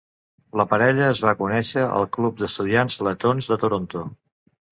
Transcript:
La parella es va conèixer al club d'estudiants letons de Toronto.